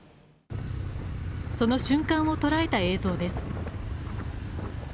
その瞬間をとらえた映像です。